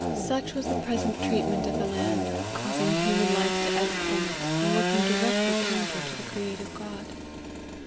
Such was the present treatment of the land, causing human life to ebb from it, and working directly counter to the creative God.